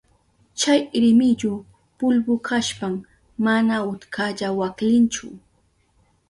Chay rimillu pulbu kashpan mana utkalla waklinchu.